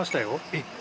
えっ！